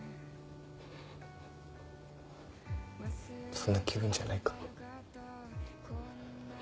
そんな気分じゃないか。